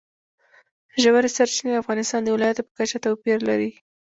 ژورې سرچینې د افغانستان د ولایاتو په کچه توپیر لري.